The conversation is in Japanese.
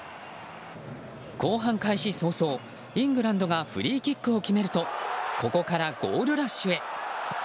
後半開始早々、イングランドがフリーキックを決めるとここからゴールラッシュへ。